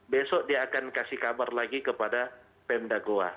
besok dia akan kasih kabar lagi kepada pemda goa